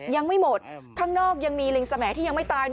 ยังไม่หมดข้างนอกยังมีลิงสมัยที่ยังไม่ตาย